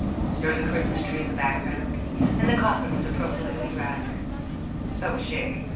There was a Christmas tree in the background, and the coffin was appropriately wrapped. So was she.